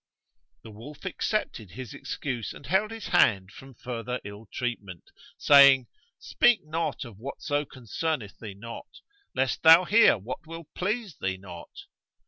The wolf accepted his excuse and held his hand from further ill treatment, saying, "Speak not of whatso concerneth thee not, lest thou hear what will please thee not."